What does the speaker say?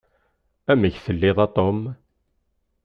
Amek telliḍ a Tom?